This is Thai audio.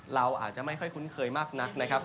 เราอาจจะไม่ค่อยคุ้นเคยมากนักนะครับ